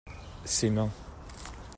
Ses mains.